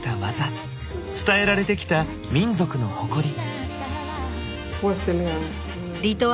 伝えられてきた「民族の誇り」。